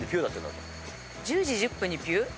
１０時１０分にピュっ？